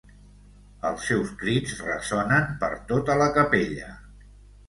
Els seus crits ressonen per tota la capella.